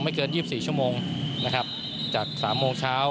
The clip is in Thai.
ไม่เกิน๒๔ชั่วโมงจาก๓โมงเช้า